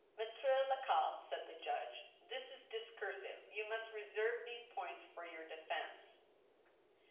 " Mattre Lacaille," said the judge, " this is discursive, you muse reserve these points for your defense."